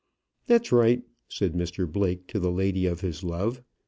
"That's right," said Mr Blake to the lady of his love.